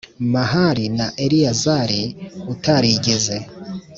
Mahali ni Eleyazari utarigeze